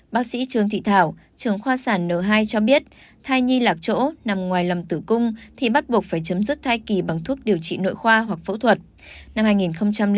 bác sĩ trương thị thảo trường khoa sản n hai cho biết thai nhi lạc chỗ nằm ngoài lầm tử cung thì bắt buộc phải chấm dứt thai kỳ bằng thuốc điều trị nội khoa hoặc phẫu thuật